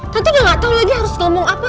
tante udah gak tau lagi harus ngomong apa